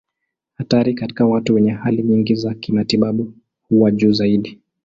Hatari katika watu wenye hali nyingi za kimatibabu huwa juu zaidi.